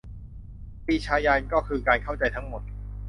ปรีชาญาณก็คือการเข้าใจทั้งหมด